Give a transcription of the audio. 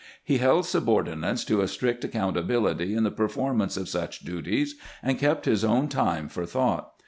He held subordinates to a strict accountability in the performance of such duties, and kept his own time for thought.